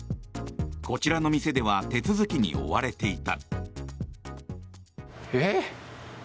こちらの店では手続きに追われていた。